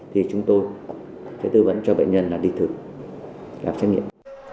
thì chúng tôi phải tư vấn cho bệnh nhân là đi thử làm xét nghiệm